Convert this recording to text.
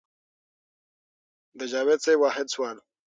د جاوېد صېب واحد سوال